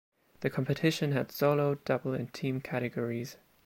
The competition had solo, double and team categories.